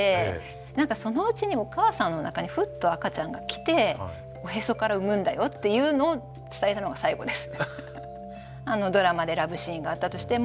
なんかそのうちにお母さんのおなかにふっと赤ちゃんが来ておへそから生むんだよっていうのを伝えたのが最後です。